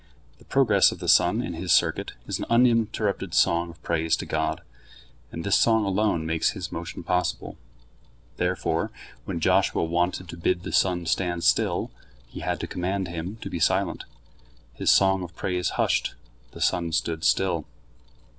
The progress of the sun in his circuit is an uninterrupted song of praise to God. And this song alone makes his motion possible. Therefore, when Joshua wanted to bid the sun stand still, he had to command him to be silent. His song of praise hushed, the sun stood still.